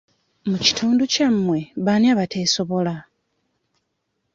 Mu kitundu kyammwe baani abateesobola?